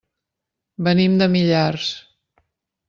Venim de Millars.